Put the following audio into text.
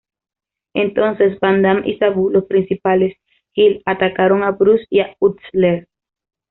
Entonces, Van Dam y Sabu, Los principales Heel atacaron a Bruce y a Utsler.